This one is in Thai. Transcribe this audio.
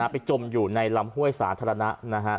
อ่ะอ่ะไปจมอยู่ในลำห้วยสาธารณะนะฮะ